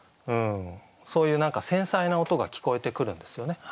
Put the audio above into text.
そういう何か繊細な音が聞こえてくるんですよね。